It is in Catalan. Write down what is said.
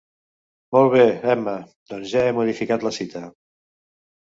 Molt bé, Emma. Doncs ja he modificat la cita.